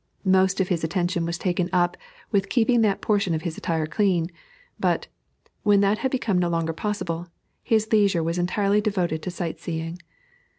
Most of his attention was taken up with keeping that portion of his attire clean; but, when that had become no longer possible, his leisure was entirely devoted to sight seeing.